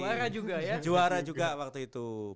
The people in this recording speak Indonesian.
juara juga ya juara juga waktu itu